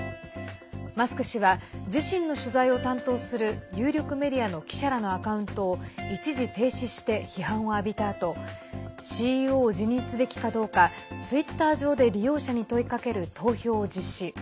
マスク氏は自身の取材を担当する有力メディアの記者らのアカウントを一時停止して批判を浴びたあとＣＥＯを辞任すべきかどうかツイッター上で利用者に問いかける投票を実施。